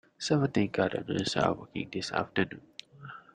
Seventeen gardeners are working this afternoon.